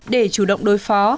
để chủ động đối phó